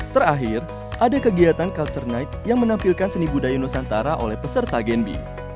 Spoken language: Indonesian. terakhir ada kegiatan culture night yang menampilkan seni budaya nusantara oleh peserta genbi